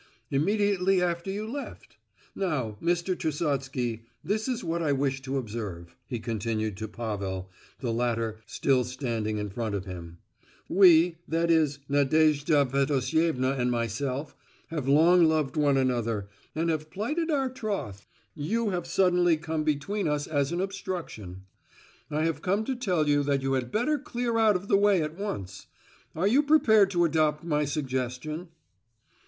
"Immediately after you left. Now, Mr. Trusotsky, this is what I wish to observe," he continued to Pavel, the latter still standing in front of him; "we, that is Nadejda Fedosievna and myself, have long loved one another, and have plighted our troth. You have suddenly come between us as an obstruction; I have come to tell you that you had better clear out of the way at once. Are you prepared to adopt my suggestion?"